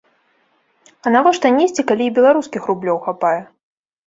А навошта несці, калі і беларускіх рублёў хапае?